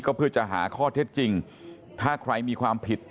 ก็เพื่อจะหาข้อเท็จจริงถ้าใครมีความผิด